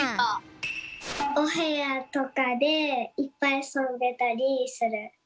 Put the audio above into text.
おへやとかでいっぱいあそべたりする。